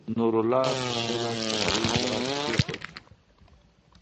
نورالله ښے لاس پۀ نرۍ ملا کېښود